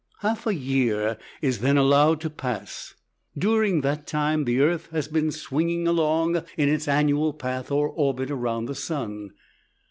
Half a year is then allowed to pass. During that time the earth has been swinging along in its annual path or orbit around the sun.